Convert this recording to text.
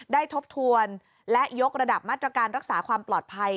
ทบทวนและยกระดับมาตรการรักษาความปลอดภัย